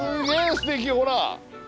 すてきほら！